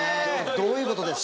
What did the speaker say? どういうことですか？